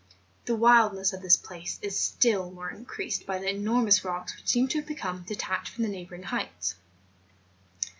The wildness of this place is still more increased by the enormous rocks which seem to have become detached from the neighbouring heights.